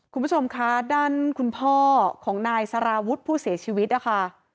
คุณผู้ชมคะด้านคุณพ่อของนายสารวุฒิผู้เสียชีวิตนะคะ